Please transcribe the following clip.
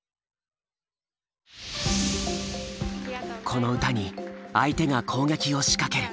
この歌に相手が攻撃を仕掛ける。